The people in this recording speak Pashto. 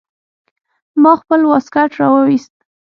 ما خپل واسکټ راوايست.